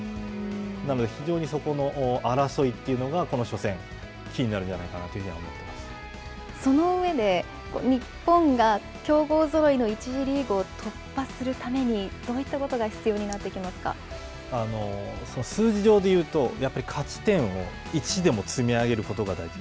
なので、非常にそこの争いというのがこの初戦、キーになるんじゃないかと思ってその上で、日本が強豪ぞろいの１次リーグをトップで突破するために、どういったこ数字上で言うと、やっぱり勝ち点を１でも積み上げることが大事。